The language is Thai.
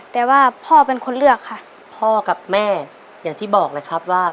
แต่ว่าพ่อเป็นคนเลือกค่ะพ่อกับแม่อย่างที่บอกเลยครับว่า